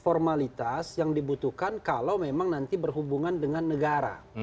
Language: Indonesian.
formalitas yang dibutuhkan kalau memang nanti berhubungan dengan negara